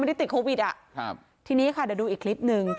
จากบ้านพ่อดีไม่ใช่บ้านพ่อ